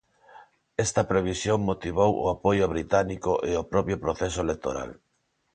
Esta previsión motivou o apoio británico e o propio proceso electoral.